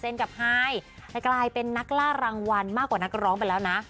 กับไฮกลายเป็นนักล่ารางวัลมากกว่านักร้องไปแล้วนะ